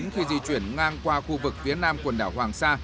khi di chuyển ngang qua khu vực phía nam quần đảo hoàng sa